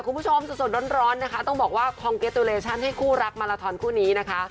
คุณผู้ชมสดสดร้อนคงบอกว่าร้านที่ให้ให้คู่รักมาราทอนคู่นี้